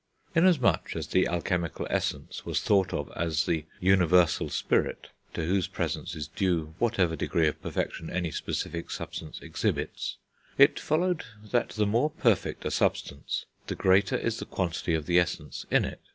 Inasmuch as the alchemical Essence was thought of as the Universal Spirit to whose presence is due whatever degree of perfection any specific substance exhibits, it followed that the more perfect a substance the greater is the quantity of the Essence in it.